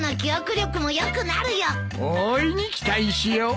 大いに期待しよう。